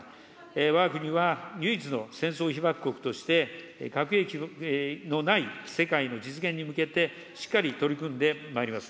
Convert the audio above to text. わが国は、唯一の戦争被爆国として、核兵器のない世界の実現に向けて、しっかり取り組んでまいります。